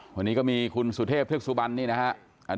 วันนี้ก็มีคุณสุธิพฤกษุบรรณนี่นะครับ